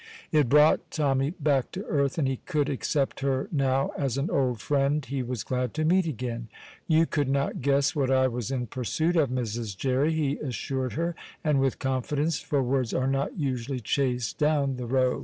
It brought Tommy back to earth, and he could accept her now as an old friend he was glad to meet again. "You could not guess what I was in pursuit of, Mrs. Jerry," he assured her, and with confidence, for words are not usually chased down the Row.